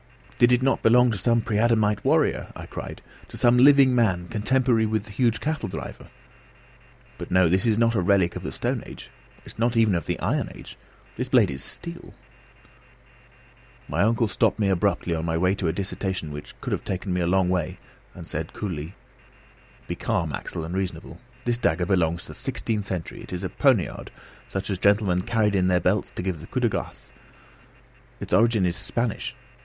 "Did it not belong to some pre adamite warrior?" I cried, "to some living man, contemporary with the huge cattle driver? But no. This is not a relic of the stone age. It is not even of the iron age. This blade is steel " My uncle stopped me abruptly on my way to a dissertation which would have taken me a long way, and said coolly: "Be calm, Axel, and reasonable. This dagger belongs to the sixteenth century; it is a poniard, such as gentlemen carried in their belts to give the coup de grace. Its origin is Spanish.